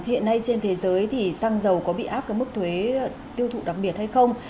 hiện nay trên thế giới thì xăng dầu có bị áp cái mức thuế tiêu thụ đặc biệt hay không